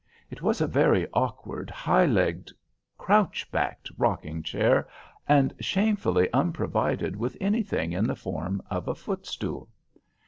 It was a very awkward, high legged, crouch backed rocking chair, and shamefully unprovided with anything in the form of a footstool.